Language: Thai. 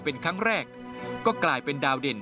เป็นครั้งแรกก็กลายเป็นดาวเด่น